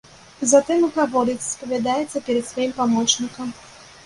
Затым і гаворыць, спавядаецца перад сваім памочнікам.